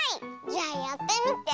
じゃあやってみて。